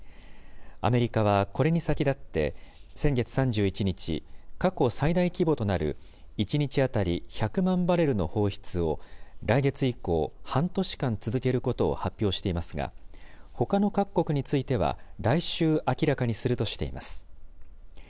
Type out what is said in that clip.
アメリカはこれに先立って、先月３１日、過去最大規模となる１日当たり１００万バレルの放出を来月以降、半年間続けることを発表していますが、ほかの各国については、来週明らかにするとしています。